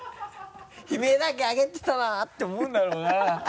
悲鳴なんかあげてたなって思うんだろうな。